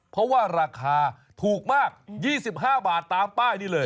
เพราะว่าราคาถูกมาก๒๕บาทตามป้ายนี้เลย